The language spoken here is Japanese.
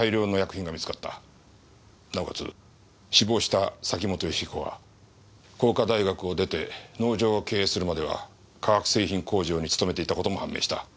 なおかつ死亡した崎本善彦は工科大学を出て農場を経営するまでは化学製品工場に勤めていた事も判明した。